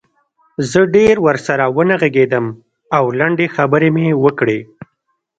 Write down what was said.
زه ډېر ورسره ونه غږېدم او لنډې خبرې مې وکړې